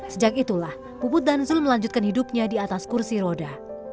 sejak itulah puput dan zul melanjutkan hidupnya di atas kursi roda